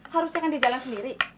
harusnya kan di jalan sendiri